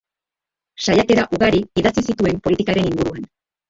Saiakera ugari idatzi zituen politikaren inguruan.